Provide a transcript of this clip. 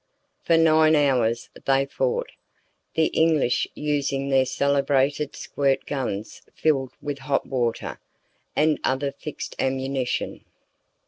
For nine hours they fought, the English using their celebrated squirt guns filled with hot water and other fixed ammunition.